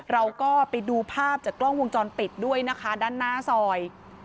เราก็ไปดูภาพจากกล้องวงจรปิดด้วยนะคะด้านหน้าซอย